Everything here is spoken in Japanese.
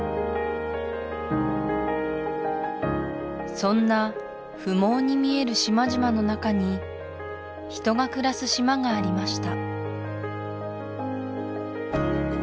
そんな不毛に見える島々の中に人が暮らす島がありました